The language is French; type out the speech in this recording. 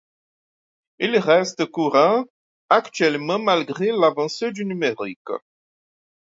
Il reste courant actuellement malgré l'avancée du numérique.